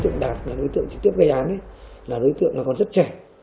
nhà đối tượng trực tiếp gây án là đối tượng còn rất trẻ